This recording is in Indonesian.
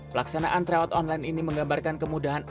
pelaksanaan tryout online ini menggambarkan kemudahan online